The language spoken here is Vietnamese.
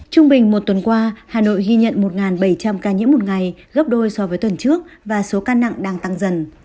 trung bình một tuần qua hà nội ghi nhận một bảy trăm linh ca nhiễm một ngày gấp đôi so với tuần trước và số ca nặng đang tăng dần